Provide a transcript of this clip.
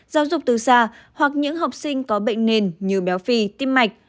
giáo dục từ xa hoặc những học sinh có bệnh nền như béo phì tim mạch